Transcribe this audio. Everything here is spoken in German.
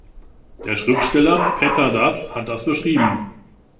Der Schriftsteller Petter Dass hat das beschrieben.